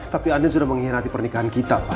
tapi andien sudah menghidati pernikahan kita pak